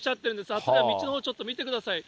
あちら、道のほう、ちょっと見てください。